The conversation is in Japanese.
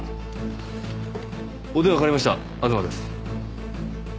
お電話代わりました東です。